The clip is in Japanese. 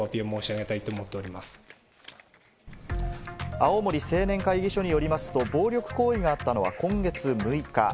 青森青年会議所によりますと、暴力行為があったのは今月６日。